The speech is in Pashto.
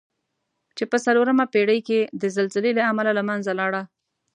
چې په څلورمه پېړۍ کې د زلزلې له امله له منځه لاړه.